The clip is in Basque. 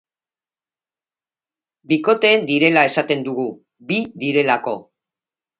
Bikote direla esaten dugu, bi direlako.